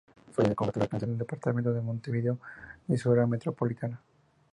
Su área de cobertura alcanza al departamento de Montevideo y su Área Metropolitana.